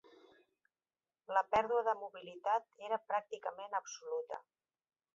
La pèrdua de mobilitat era pràcticament absoluta.